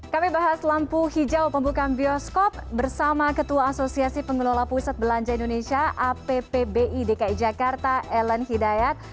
kami bahas lampu hijau pembukaan bioskop bersama ketua asosiasi pengelola pusat belanja indonesia appbi dki jakarta ellen hidayat